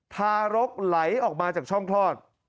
ทารกไหลออกมาจากช่องคลอด